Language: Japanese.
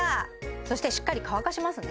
そしてしっかり乾かしますね